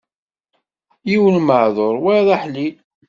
Yiwen maɛduṛ, wayeḍ aḥlil.